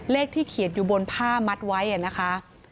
เลขที่เขียนอยู่บนผ้ามัดไว้นะคะ